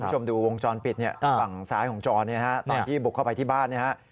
คุณผู้ชมดูวงจรปิดเนี่ยฝั่งซ้ายของจอเนี่ยฮะตอนที่บุกเข้าไปที่บ้านเนี่ยฮะ